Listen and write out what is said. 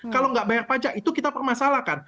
kalau nggak bayar pajak itu kita permasalahkan